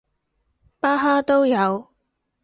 巴哈都有